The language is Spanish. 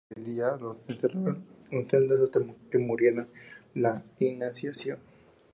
Si salían de día los encerraban en celdas hasta que murieran de inanición.